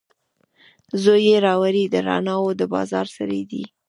زوی یې راوړي، د رڼاوو دبازار سړی دی